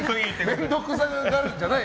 面倒くさがるんじゃない！